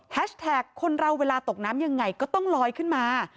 แท็กคนเราเวลาตกน้ำยังไงก็ต้องลอยขึ้นมา